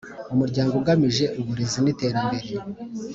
Umuryango ugamije Uburezi n Iterambere